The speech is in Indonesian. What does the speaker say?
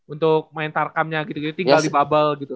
untuk main tarkamnya gitu gitu tinggal di babel gitu